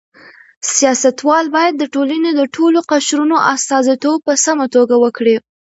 سیاستوال باید د ټولنې د ټولو قشرونو استازیتوب په سمه توګه وکړي.